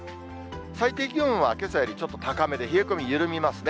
最低気温はけさよりちょっと高めで冷え込み緩みますね。